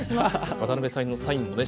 渡辺さんのサインもね